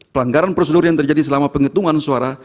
pelanggaran prosedur yang terjadi selama penghitungan suara